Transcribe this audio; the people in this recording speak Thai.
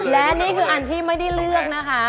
และนี่คืออันที่ไม่ได้เลือกนะคะ